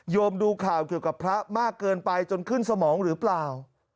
ดูข่าวเกี่ยวกับพระมากเกินไปจนขึ้นสมองหรือเปล่า